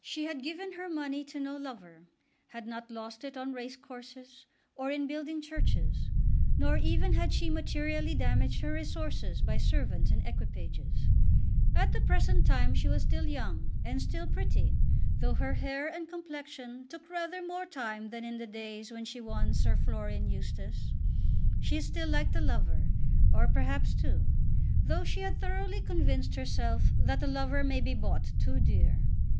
She had given her money to no lover, had not lost it on race courses, or in building churches; nor even had she materially damaged her resources by servants and equipages. At the present time she was still young, and still pretty, though her hair and complexion took rather more time than in the days when she won Sir Florian Eustace. She still liked a lover, or perhaps two, though she had thoroughly convinced herself that a lover may be bought too dear.